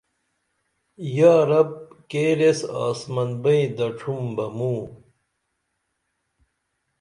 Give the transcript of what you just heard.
یا رب کیر ایس آسمن بئیں دڇُھم بہ موں